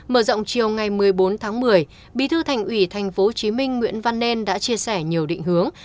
mở rộng chiều ngày một mươi bốn tháng một mươi bí thư thành ủy tp hcm nguyễn văn nên đã chia sẻ nhiều định hướng